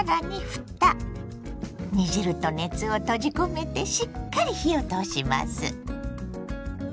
煮汁と熱を閉じ込めてしっかり火を通します。